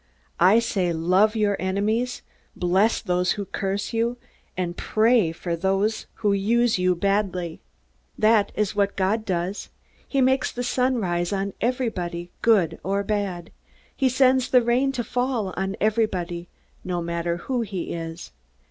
I say, Love your enemies, bless those who curse you, and pray for those who use you badly. That is what God does. He makes the sun rise on everybody, good or bad. He sends the rain to fall on everyone, no matter who he is.